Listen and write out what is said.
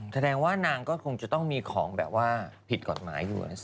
แสดงว่านางก็คงจะต้องมีของแบบว่าผิดกฎหมายอยู่